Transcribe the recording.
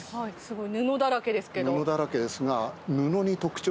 布だらけですが。